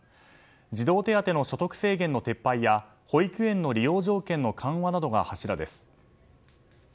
児童手当の所得制限の撤廃や保育園の利用条件の緩和などが柱です。